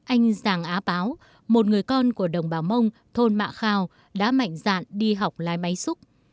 anh giàng á páo một người con của đồng bào mông thôn mạ khao đã mạnh dạn đi học lái máy xúc